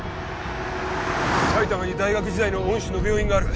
埼玉に大学時代の恩師の病院がある。